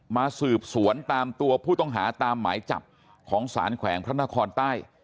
มาสืบสวนตามตัวผู้ต้องหาตามหมายจับของสารแขวงพระนครใต้